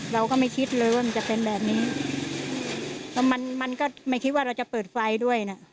เราก็ไม่คิดเลยว่ามันจะเป็นแบบนี้เพราะมันมันก็ไม่คิดว่าเราจะเปิดไฟด้วยนะ